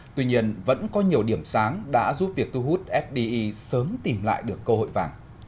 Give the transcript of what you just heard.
tuy nhiên vẫn có nhiều điểm sáng đã giúp việc thu hút fdi sớm tìm lại được cơ hội vàng